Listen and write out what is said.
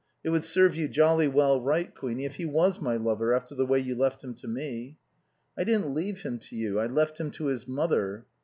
It would serve you jolly well right, Queenie, if he was my lover, after the way you left him to me." "I didn't leave him to you. I left him to his mother."